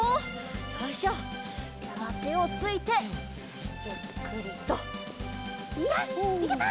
よいしょじゃあてをついてゆっくりとよしいけた！